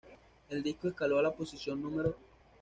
El disco escaló a la posición No.